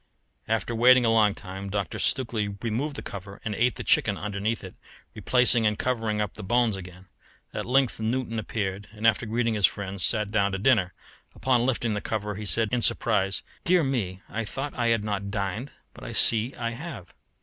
After waiting a long time, Dr. Stukely removed the cover and ate the chicken underneath it, replacing and covering up the bones again. At length Newton appeared, and after greeting his friend, sat down to dinner, but on lifting the cover he said in surprise, "Dear me, I thought I had not dined, but I see I have."